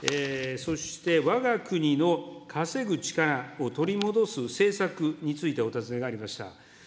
そしてわが国の稼ぐ力を取り戻す政策についてお尋ねがありました。